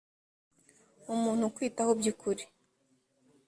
umuntu ukwitaho by’ukuri